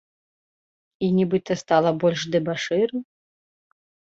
І нібыта стала больш дэбашыраў.